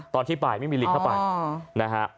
ตอนที่ไปไม่มีลิงเข้าไปนะฮะ